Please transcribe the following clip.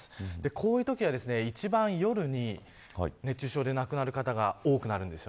こういうときは、一番夜に熱中症で亡くなる方が多くなるんです。